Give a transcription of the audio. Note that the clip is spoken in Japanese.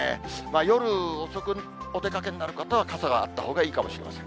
夜遅くお出かけになる方は、傘があったほうがいいかもしれません。